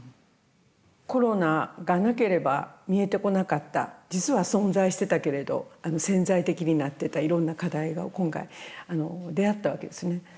コロナがなければ見えてこなかった実は存在してたけれど潜在的になってたいろんな課題が今回出会ったわけですね。